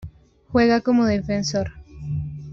Juega como defensor.